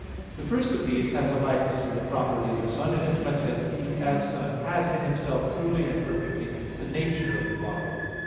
The first of these has a likeness to the property of the Son, inasmuch as He as Son has in Himself truly and perfectly the nature of the Father.